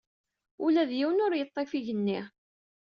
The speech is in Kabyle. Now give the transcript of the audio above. Ula d yiwen ur yeḍḍif igenni.